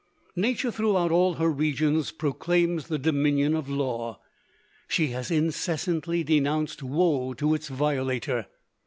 Nature throughout all her regions proclaims the dominion of law. She has incessantly denounced woe to its violator.